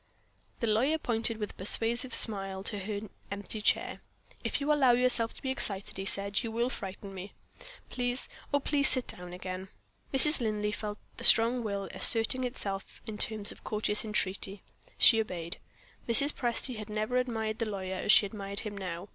The lawyer pointed with a persuasive smile to her empty chair. "If you allow yourself to be excited," he said, "you will frighten me. Please oh, please sit down again!" Mrs. Linley felt the strong will, asserting itself in terms of courteous entreaty. She obeyed. Mrs. Presty had never admired the lawyer as she admired him now.